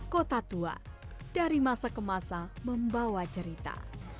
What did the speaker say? kota tua dari masa ke masa membawa cerita